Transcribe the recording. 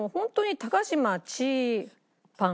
高嶋ちーパン。